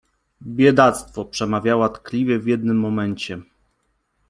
— Biedactwo! — przemawiała tkliwie w jednym momencie.